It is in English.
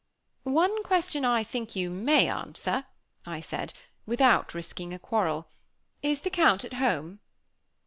"One question, I think you may answer," I said, "without risking a quarrel. Is the Count at home?"